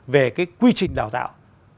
về cái quy trình đào tạo